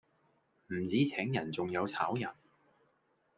唔止請人仲有炒人